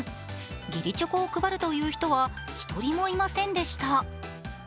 義理チョコを配るという人は一人もいませんでした。